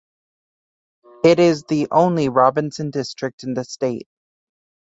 It is the only Robinson District in the state.